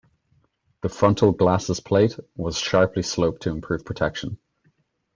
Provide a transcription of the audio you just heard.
The frontal glacis plate was sharply sloped to improve protection.